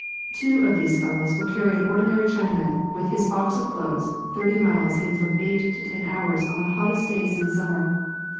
Two of these fellows will carry an ordinary Chinaman, with his box of clothes, thirty miles in from eight to ten hours on the hottest days in summer.